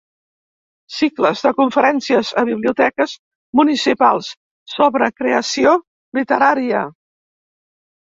Cicles de conferències a Biblioteques municipals sobre creació literària.